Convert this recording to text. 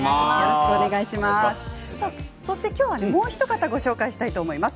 そして今日はもうひと方ご紹介したいと思います。